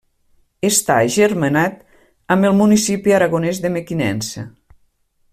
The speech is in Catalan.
Està agermanat amb el municipi aragonès de Mequinensa.